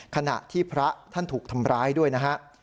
ขณะที่พระท่านถูกทำร้ายด้วยนะฮะ